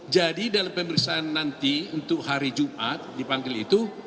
jadi dalam pemeriksaan nanti untuk hari jumat dipanggil itu